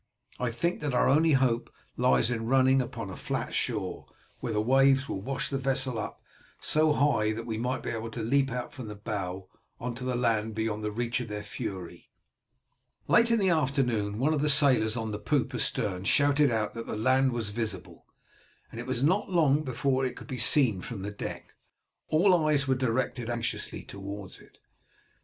I think that our only hope lies in running upon a flat shore, where the waves will wash the vessel up so high that we may be able to leap out from the bow on to the land beyond the reach of their fury." Late in the afternoon one of the sailors on the poop astern shouted out that land was visible, and it was not long before it could be seen from the deck. All eyes were directed anxiously towards it.